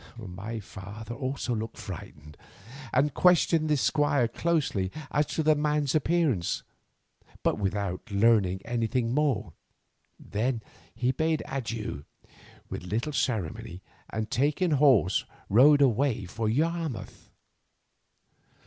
My father also looked frightened, and questioned the squire closely as to the man's appearance, but without learning anything more. Then he bade him adieu with little ceremony, and taking horse rode away for Yarmouth.